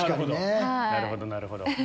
なるほどなるほど。